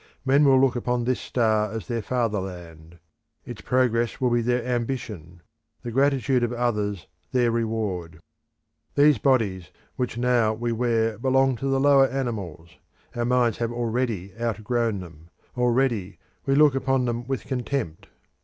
Men will look upon this star as their fatherland; its progress will be their ambition; the gratitude of others their reward. These bodies which now we: wear belong to the lower animals; our minds have already outgrown them; already we look upon them with contempt.